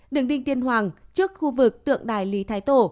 đường đinh tiên hoàng trước khu vực tượng đài lý thái tổ